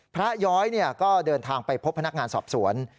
ย้อยก็เดินทางไปพบพนักงานสอบสวน